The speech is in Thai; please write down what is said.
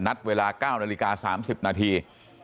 นัดเวลา๙นาฬิกา๓๐นาที